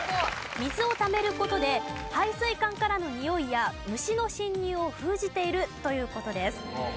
水をためる事で排水管からのにおいや虫の侵入を封じているという事です。